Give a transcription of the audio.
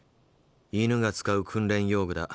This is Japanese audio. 犬が使う訓練用具だ。